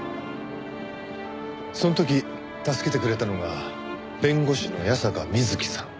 その時助けてくれたのが弁護士の矢坂美月さん。